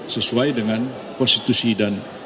sesuai dengan konstitusi dan